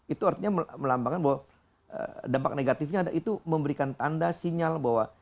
itu artinya melambangkan bahwa dampak negatifnya ada itu memberikan tanda sinyal bahwa